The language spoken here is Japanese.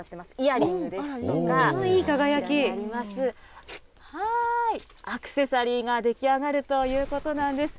アクセサリーが出来上がるということなんです。